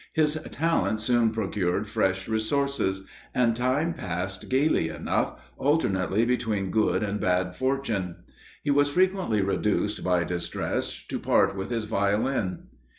His talent soon procured fresh resources, and time passed gaily enough, alternately between good and bad fortune. He was frequently reduced, by distress, to part with his Violin.